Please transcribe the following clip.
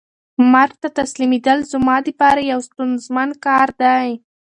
مرګ ته تسلیمېدل زما د پاره یو ستونزمن کار دی.